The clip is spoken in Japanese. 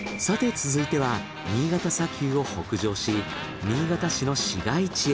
続いては新潟砂丘を北上し新潟市の市街地へ。